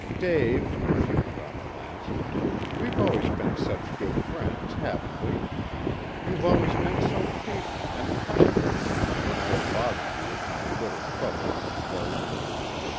"Dave," she went on at last, "we've always been such good friends, haven't we? You've always been so patient and kind with me when I have bothered you with my little troubles and worries.